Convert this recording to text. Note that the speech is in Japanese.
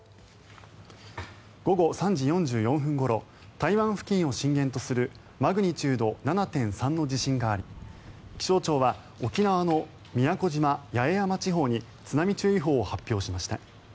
午後３時４４分ごろ台湾付近を震源とするマグニチュード７．３の地震があり気象庁は沖縄の宮古島・八重山地方に津波注意報を発表しました。